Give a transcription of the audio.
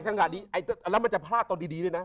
ทั้งกัดนี่มันจะพลาดตอนดีด้วยนะ